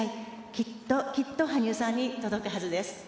「きっときっと羽生さんに届くはずです」